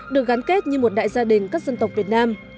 được gắn kết như một đại gia đình các dân tộc việt nam